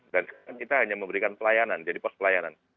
dan kita hanya memberikan pelayanan jadi pos pelayanan